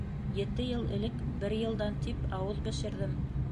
Ете йыл элек, бер йылдан тип, ауыҙ бешерҙем!